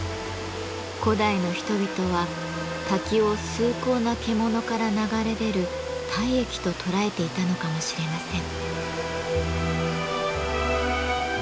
古代の人々は滝を崇高な獣から流れ出る体液と捉えていたのかもしれません。